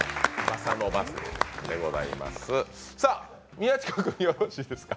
宮近君、よろしいですか。